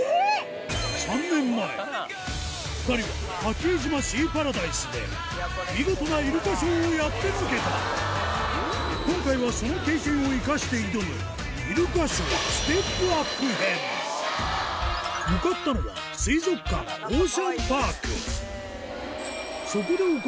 ３年前２人は八景島シーパラダイスで見事なイルカショーをやってのけた今回は向かったのはでかっ！